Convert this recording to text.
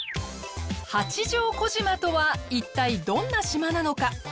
八丈小島とは一体どんな島なのか。